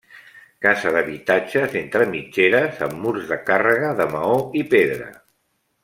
Casa d'habitatges entre mitgeres amb murs de càrrega de maó i pedra.